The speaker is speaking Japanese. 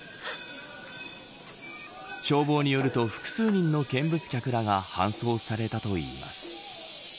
消防によると複数人の見物客らが搬送されたといいます。